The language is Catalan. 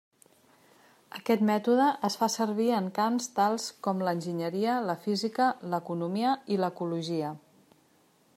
Aquest mètode es fa servir en camps tals com l'enginyeria, la física, l'economia, i l'ecologia.